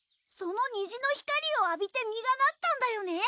その虹の光を浴びて実がなったんだよね。